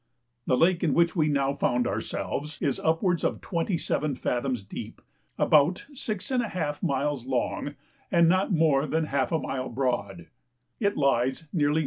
The lake in which we now found ourselves is upwards of 27 fathoms deep, about 6½ miles long, and not more than half a mile broad; it lies nearly N.